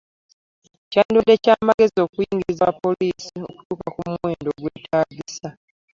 Kyandibadde ky’amagezi okuyingiza abapoliisi okutuuka ku muwendo ogwetaagisa.